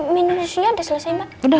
menusnya udah selesai mbak